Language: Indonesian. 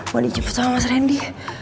mau dijemput sama mas randy